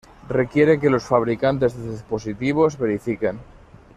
requiere que los fabricantes de dispositivos verifiquen